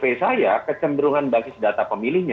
tapi saya kecenderungan basis data pemilihnya